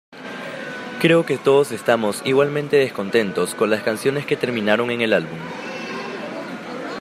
Creo que todos estamos igualmente descontentos con las canciones que terminaron en el álbum.